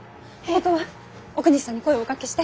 ことはおくにさんに声をおかけして。